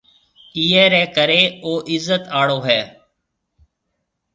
ايئي ريَ ڪريَ او عِزت آݪو هيَ۔